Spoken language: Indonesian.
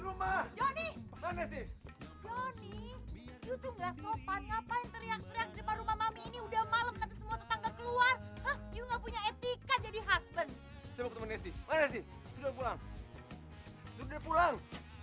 punya suami kagak ada kejadian